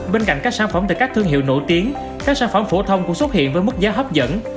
bên cạnh các sản phẩm từ các thương hiệu nổi tiếng các sản phẩm phổ thông cũng xuất hiện với mức giá hấp dẫn